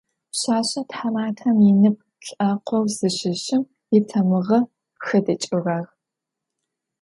Пшъэшъэ тхьаматэм инып лӏакъоу зыщыщым итамыгъэ хэдыкӏыгъагъ.